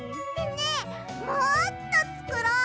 ねえもっとつくろう！